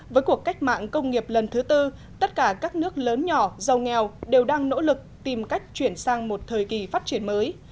với cuộc cách mạng công nghiệp lần thứ tư tất cả các nước lớn nhỏ dầu nghèo đều đang nỗ lực tìm cách chuyển sang một thời kỳ phát triển mới